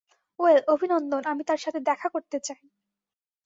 Well, অভিনন্দন, আমি তার সাথে দেখা করতে চাই।